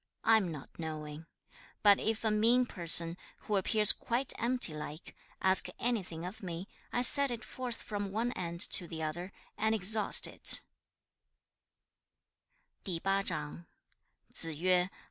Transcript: I am not knowing. But if a mean person, who appears quite empty like, ask anything of me, I set it forth from one end to the other, and exhaust it.'